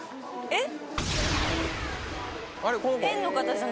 えっ？